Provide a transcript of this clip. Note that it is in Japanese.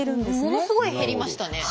ものすごい減りましたね。